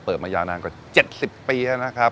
เปิดมายานานกว่าเจ็ดสิบปีแล้วนะครับ